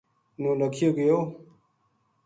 نو لکھیو گیو